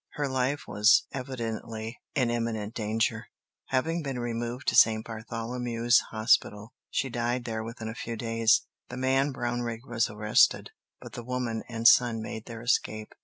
Her life was evidently in imminent danger. Having been removed to St. Bartholomew's Hospital, she died there within a few days. The man Brownrigg was arrested, but the woman and son made their escape.